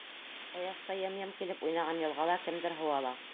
Ҡояшта йым-йым килеп уйнаған йылғала кемдер һыу ала.